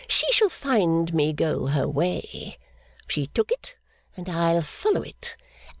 'She shall find me go her way. She took it, and I'll follow it.